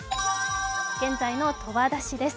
現在の十和田市です。